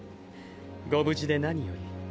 ご無事で何より。